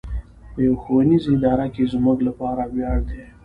په يوه ښوونيزه اداره کې زموږ لپاره وياړ دی.